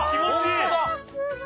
本当だ！